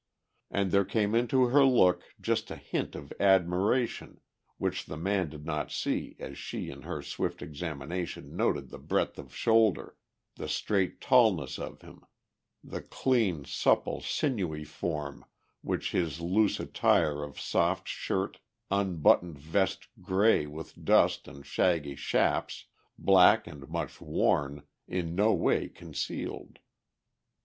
And there came into her look just a hint of admiration which the man did not see as she in her swift examination noted the breadth of shoulder, the straight tallness of him, the clean, supple, sinewy form which his loose attire of soft shirt, unbuttoned vest grey with dust, and shaggy chaps, black and much worn, in no way concealed.